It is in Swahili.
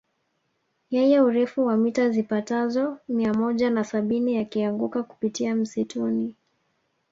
Yenye urefu wa mita zipatazo mia moja na sabini yakianguka kupitia msituni